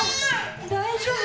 大丈夫？